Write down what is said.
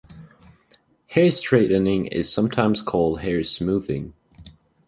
Hair straightening is sometimes called hair smoothing.